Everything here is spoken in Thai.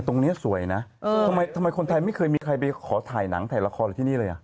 ตรงนี้สวยนะทำไมคนไทยไม่เคยมีใครไปขอถ่ายหนังถ่ายละครอะไรที่นี่เลยอ่ะ